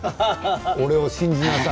俺を信じなさい。